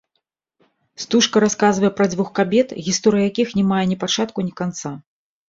Стужка расказвае пра дзвюх кабет, гісторыя якіх не мае ні пачатку, ні канца.